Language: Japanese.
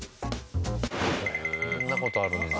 こんな事あるんだ。